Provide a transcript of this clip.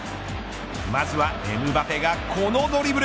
まずはエムバペがこのドリブル。